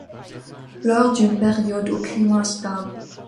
Lors d'une période au climat stable.